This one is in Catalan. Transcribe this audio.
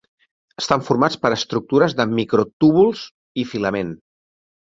Estan formats per estructures de microtúbuls i filament.